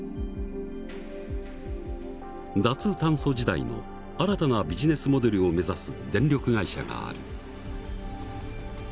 脱炭素時代の新たなビジネスモデルを目指す電力会社がある。